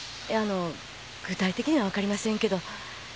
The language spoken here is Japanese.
いえあの具体的にはわかりませんけど。